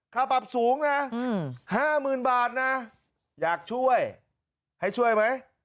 ค่าปรับสูงนะ๕๐๐๐บาทนะอยากช่วยให้ช่วยไหม